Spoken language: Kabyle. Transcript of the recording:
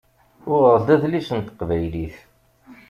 Uɣeɣ-d adlis n teqbaylit.